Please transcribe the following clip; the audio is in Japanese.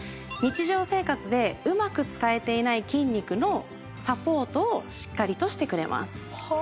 日常生活でうまく使えていない筋肉のサポートをしっかりとしてくれます。